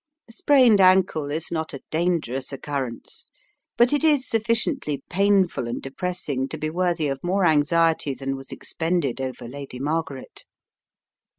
A sprained ankle is not a dangerous occurrence, but it is sufficiently painful and depressing to be worthy of more anxiety than was expended over Lady Margaret.